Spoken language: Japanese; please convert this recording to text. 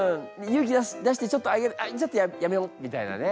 勇気出してちょっと上げるちょっとやめようみたいなね。